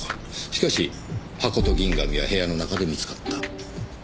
しかし箱と銀紙は部屋の中で見つかった。